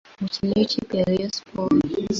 umukinnyi w’ ikipe ya Rayon Sports